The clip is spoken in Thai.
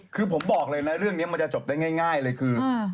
คือผมบอกเลยนะเรื่องนี้มันจะจบได้ง่ายเลยคือ